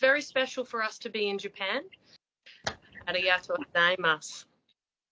ありがとうございます。